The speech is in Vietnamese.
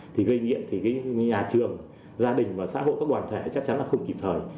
thì gây nghiện thì nhà trường gia đình và xã hội các đoàn thể chắc chắn là không kịp thời